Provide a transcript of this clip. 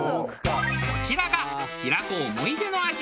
こちらが平子思い出の味